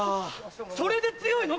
それで強いの？